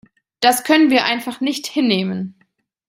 Das können wir einfach nicht hinnehmen.